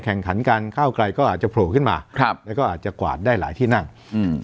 แข่งขันการก้าวไกลก็อาจจะโผล่ขึ้นมาครับแล้วก็อาจจะกวาดได้หลายที่นั่งอืม